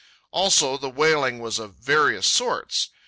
Also, the wailing was of various sorts.